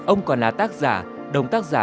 ông còn là tác giả đồng tác giả